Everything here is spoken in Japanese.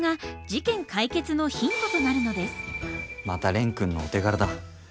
また蓮くんのお手柄だ。